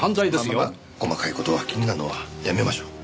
まあ細かい事が気になるのはやめましょう。